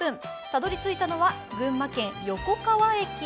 たどり着いたのは群馬県横川駅。